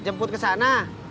jemput ke sana